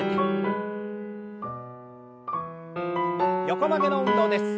横曲げの運動です。